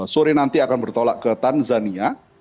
sore nanti akan bertolak ke tanzania